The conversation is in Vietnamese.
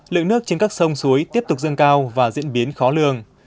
lượng nước trên các sông suối tiếp tục dâng cao và diễn biến khó lường